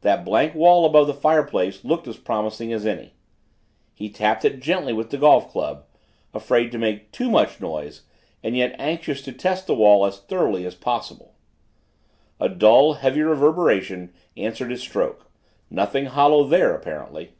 That blank wall above the fireplace looked as promising as any. He tapped it gently with the golf club afraid to make too much noise and yet anxious to test the wall as thoroughly as possible. A dull, heavy reverberation answered his stroke nothing hollow there apparently.